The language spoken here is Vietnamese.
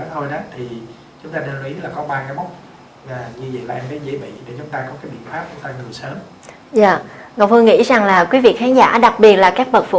cũng cái bị phát của cây thằng sớm isl author nghĩ rằng là quý vị khán giả đặc biệt là các bậc phụ